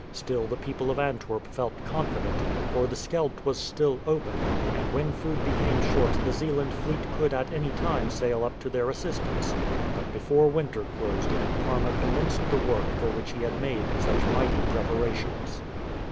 Still the people of Antwerp felt confident, for the Scheldt was still open, and when food became short the Zeeland fleet could at any time sail up to their assistance. But before winter closed in Parma commenced the work for which he had made such mighty preparations.